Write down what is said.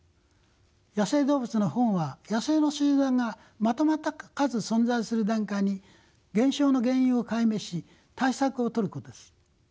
野生動物の保護は野生の集団がまとまった数存在する段階に減少の原因を解明し対策を取ることです。